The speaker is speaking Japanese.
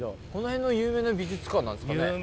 この辺の有名な美術館なんですかね。